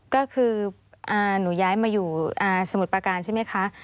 ก็คือหนูย้ายมาอยู่สมุทรประการใช่ไหมคะ